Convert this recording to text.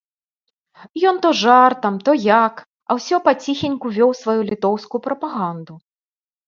Ён то жартам, то як, а ўсё паціхеньку вёў сваю літоўскую прапаганду.